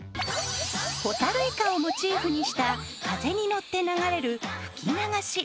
ホタルイカをモチーフにした風に乗って流れる吹き流し。